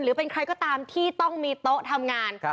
หรือเป็นใครก็ตามที่ต้องมีโต๊ะทำงาน